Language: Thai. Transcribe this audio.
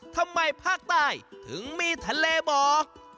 ทำไมภาคใต้ถึงมีทะเลหมอก